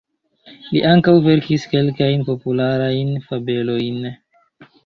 Li ankaŭ verkis kelkajn popularajn fabelojn.